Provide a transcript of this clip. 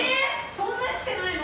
そんなしかないの？